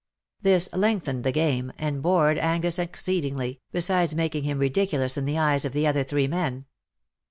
This lengthened the game, and bored Angus exceedingly, besides making him ridiculous in the eyes of the other three men.